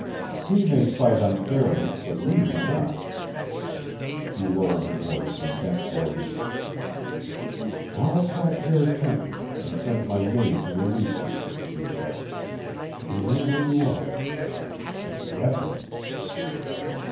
He may fight unfairly, but we do not." She lowered her voice and bent toward him. "I'll attract their attention, and send my maid to release you," she said. "Remain where you are." "Yes'm."